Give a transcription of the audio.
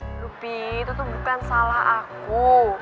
lho pi itu tuh bukan salah aku